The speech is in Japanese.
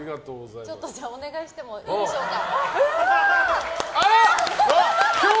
お願いしてもいいでしょうか。